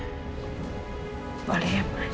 dan ternyata beneran diminta ini